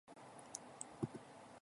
独眼竜政宗